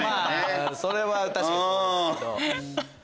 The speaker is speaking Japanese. それは確かにそうですけど。